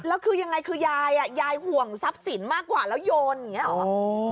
แล้วคือยังไงคือยายยายห่วงทรัพย์สินมากกว่าแล้วโยนอย่างนี้หรอ